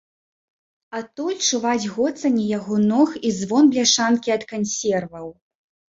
Адтуль чуваць гоцанне яго ног і звон бляшанкі ад кансерваў.